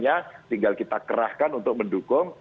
hanya tinggal kita kerahkan untuk mendukung